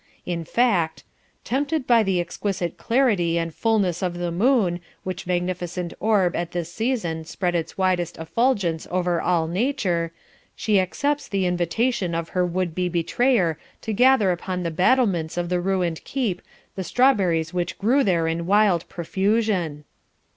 In fact, "tempted by the exquisite clarity and fulness of the moon, which magnificent orb at this season spread its widest effulgence over all nature, she accepts the invitation of her would be betrayer to gather upon the battlements of the ruined keep the strawberries which grew there in wild profusion."